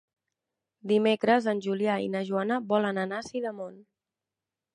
Dimecres en Julià i na Joana volen anar a Sidamon.